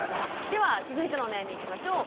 では続いてのお悩みいきましょう。